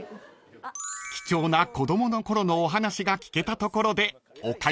［貴重な子供のころのお話が聞けたところでお会計です］